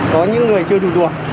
có những người chưa đủ tuổi